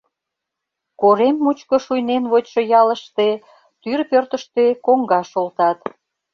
Корем мучко шуйнен вочшо ялыште тӱр пӧртыштӧ коҥгаш олтат.